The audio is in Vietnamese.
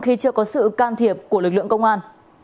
khi chưa có sự can thiệp của lực lượng công an